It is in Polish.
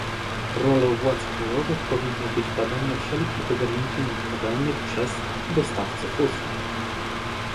Rolą władz krajowych powinno być badanie wszelkich ograniczeń nakładanych przez dostawców usług